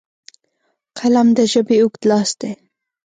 قلم د ژبې اوږد لاس دی